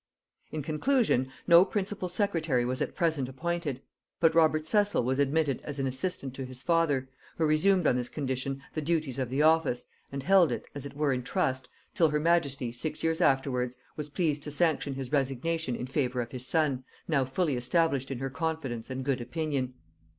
In conclusion, no principal secretary was at present appointed; but Robert Cecil was admitted as an assistant to his father, who resumed on this condition the duties of the office, and held it, as it were in trust, till her majesty, six years afterwards, was pleased to sanction his resignation in favor of his son, now fully established in her confidence and good opinion.